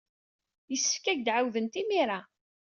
Yessefk ad ak-d-ɛawdent imir-a.